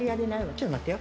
ちょっと待ってよ。